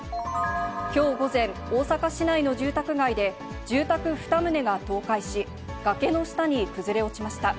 きょう午前、大阪市内の住宅街で、住宅２棟が倒壊し、崖の下に崩れ落ちました。